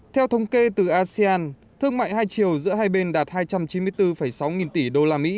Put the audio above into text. theo thống kê từ asean thương mại hai chiều giữa hai bên đạt hai trăm chín mươi bốn sáu nghìn tỷ usd